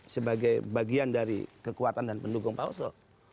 sebagai bagian dari kekuatan dan pendukung pak oso